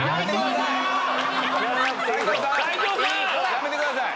⁉やめてください！